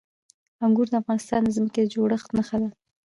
انګور د افغانستان د ځمکې د جوړښت نښه ده.